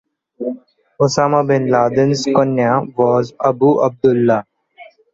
Usamah bin Ladin's Kunya was "Abu Abdullah".